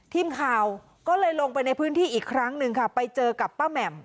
ทีมข่าวก็เลยลงไปในพื้นที่อีกครั้งหนึ่งค่ะไปเจอกับป้าแหม่ม